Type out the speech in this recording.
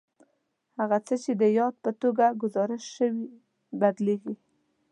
هغه څه چې د عاید په توګه ګزارش شوي بدلېږي